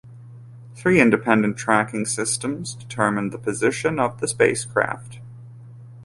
Three independent tracking systems determined the position of the spacecraft.